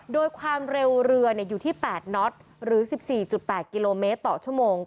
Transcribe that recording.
โดยความเร็วเรืออยู่ที่๘น็อตหรือ๑๔๘กิโลเมตรต่อชั่วโมง